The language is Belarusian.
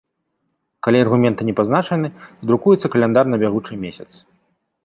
Калі аргументы не пазначаны, то друкуецца каляндар на бягучы месяц.